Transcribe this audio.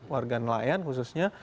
warga nelayan khususnya